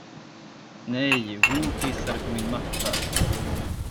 Nej, Woo pissade på min matta.